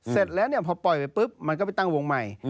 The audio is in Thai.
เสร็จแล้วเนี่ยพอปล่อยไปปุ๊บมันก็ไปตั้งวงใหม่